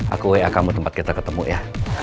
aku wa kamu tempat kita ketemu ya